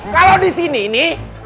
kalau di sini nih